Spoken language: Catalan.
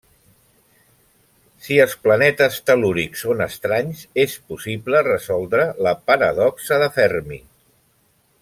Si els planetes tel·lúrics són estranys, és possible resoldre la paradoxa de Fermi.